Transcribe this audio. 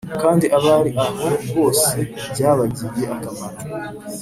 kandi abari aho bose byabagiriye akamaro